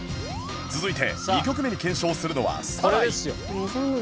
続いて２曲目に検証するのは『サライ』